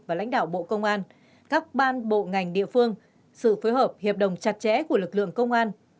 và lãnh đạo bộ công an các ban bộ ngành địa phương sự phối hợp hiệp đồng chặt chẽ của lực lượng công an